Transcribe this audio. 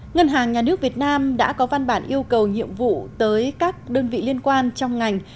ngân hàng nhà nước việt nam đã có văn bản yêu cầu nhiệm vụ tới các đơn vị liên quan trong ngành